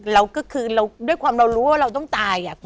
เราก็คือเราด้วยความเรารู้ว่าเราต้องตาย